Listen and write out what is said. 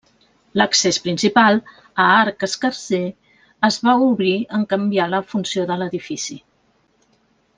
L'accés principal, a arc escarser, es va obrir en canviar la funció de l'edifici.